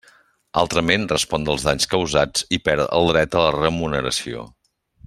Altrament, respon dels danys causats i perd el dret a la remuneració.